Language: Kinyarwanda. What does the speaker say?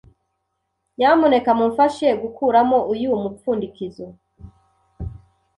Nyamuneka mumfashe gukuramo uyu mupfundikizo.